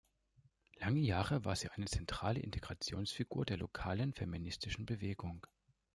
Lange Jahre war sie eine zentrale Integrationsfigur der lokalen feministischen Bewegung.